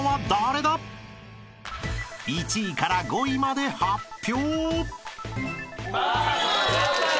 ［１位から５位まで発表］